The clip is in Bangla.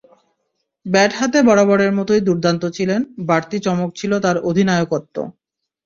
ব্যাট হাতে বরাবরের মতোই দুর্দান্ত ছিলেন, বাড়তি চমক ছিল তাঁর অধিনায়কত্ব।